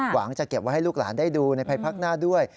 หวังจะเก็บไว้ให้ลูกหลานได้ดูในภายพักหน้าด้วย